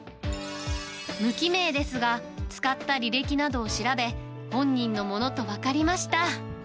無記名ですが、使った履歴などを調べ、本人のものと分かりました。